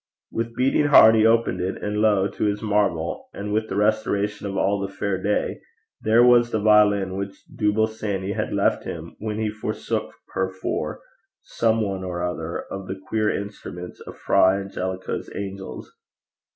With beating heart he opened it, and lo, to his marvel, and the restoration of all the fair day, there was the violin which Dooble Sanny had left him when he forsook her for some one or other of the queer instruments of Fra Angelico's angels?